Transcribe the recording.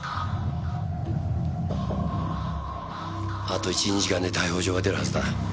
あと１２時間で逮捕状が出るはずだ。